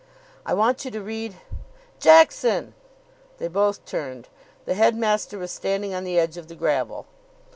"I want you to read " "Jackson!" They both turned. The headmaster was standing on the edge of the gravel.